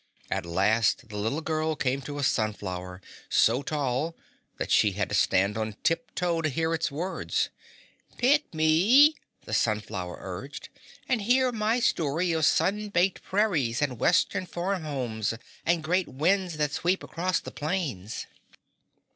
At last the little girl came to a sunflower so tall that she had to stand on tip toe to hear its words. "Pick me," the sunflower urged, "and hear my story of sun baked prairies and western farm homes and great winds that sweep across the plains."